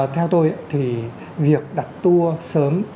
theo tôi thì việc đặt tour sớm